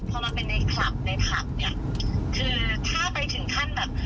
ที่เชอพยายามเรียนรู้